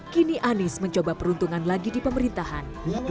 kini anies mencoba peruntungan lagi di pemerintahan